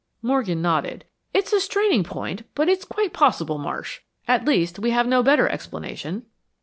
Morgan nodded. "It's straining a point, but it's quite possible, Marsh. At least, we have no better explanation."